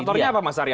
faktornya apa mas arya